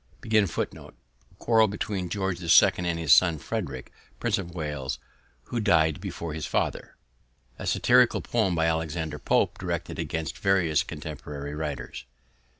Quarrel between George II and his son, Frederick, Prince of Wales, who died before his father. A satirical poem by Alexander Pope directed against various contemporary writers.